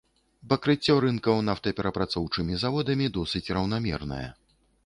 Пакрыццё рынкаў нафтаперапрацоўчымі заводамі досыць раўнамернае.